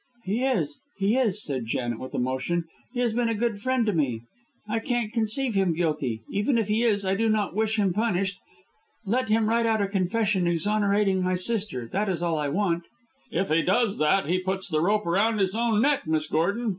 "He is, he is," said Janet, with emotion. "He has been a good friend to me. I can't conceive him guilty. Even if he is, I do not wish him punished. Let him write out a confession exonerating my sister, that is all I want." "If he does that he puts the rope round his own neck, Miss Gordon.